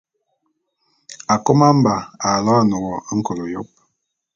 Akôma-Mba aloene wo nkôl yôp.